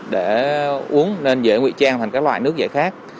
để uống nên dễ ngụy trang thành các loại nước dạy khác